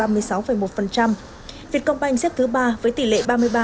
việt công banh xếp thứ ba với tỷ lệ ba mươi ba